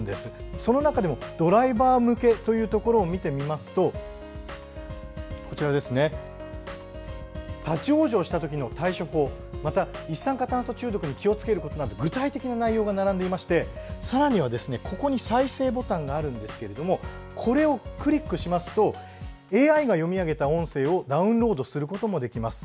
その中でもドライバー向けというところを見てみますと立往生した時の対処法また、一酸化炭素中毒に気をつけることなど具体的な内容が並んでいましてさらには再生ボタンをクリックしますとＡＩが読み上げた音声をダウンロードすることもできます。